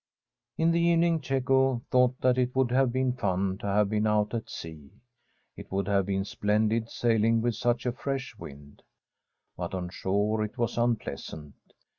In the evening Cecco thought that it would have been fun to have been out at sea. It would From a SWEDISH HOMESTEAD have been splendid sailing with such a fresh wind. But on shore it was unpleasant.